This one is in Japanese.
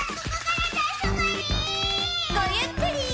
ごゆっくり。